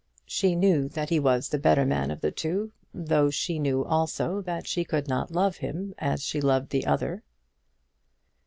She knew that he was the better man of the two, though she knew also that she could not love him as she loved the other.